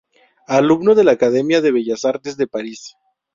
Alumno de la Academia de Bellas Artes de París.